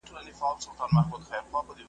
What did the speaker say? خوب له شپې، قرار وتلی دی له ورځي `